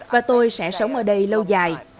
và tôi sẽ sống ở đây lâu dài